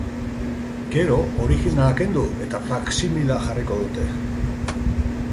Gero, orijinala kendu eta faksimila jarriko dute.